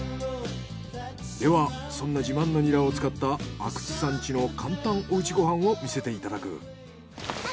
ではそんな自慢のニラを使った阿久津さん家の簡単お家ご飯を見せていただく。